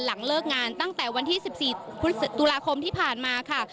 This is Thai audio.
หลังเลิกงานตั้งแต่วันที่๑๔ตุลาคมที่ผ่านมาค่ะ